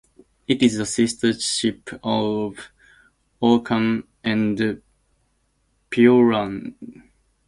It is the sister ship of "Orkan" and "Piorun".